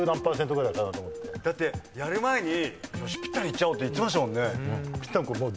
だってやる前に「ぴったりいっちゃおう」って言ってましたもんね。